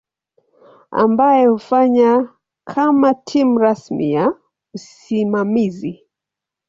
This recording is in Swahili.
ambayo hufanya kama timu rasmi ya usimamizi.